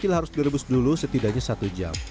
harus direbus dulu setidaknya satu jam